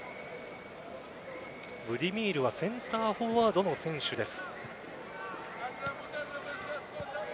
ブディミールはセンターフォワードの選手です。